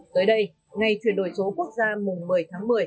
tới đây ngày chuyển đổi số quốc gia mùng một mươi tháng một mươi